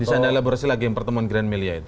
di sana elaborasi lagi pertemuan grand melia itu